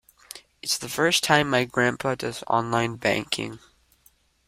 It's the first time my grandpa does online banking.